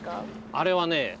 あれはね